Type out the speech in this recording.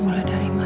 mulai dari mana